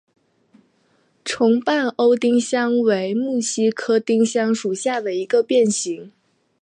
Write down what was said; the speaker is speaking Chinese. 重瓣欧丁香为木犀科丁香属下的一个变型。